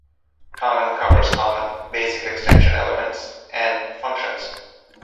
Common covers common, basic extension elements and functions.